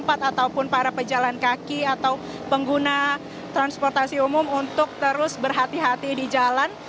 ataupun para pejalan kaki atau pengguna transportasi umum untuk terus berhati hati di jalan